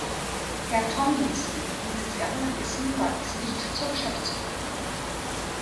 Herr Tomlinson, wie Sie sehr wohl wissen, war dies nicht zur Geschäftsordnung.